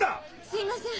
すみません！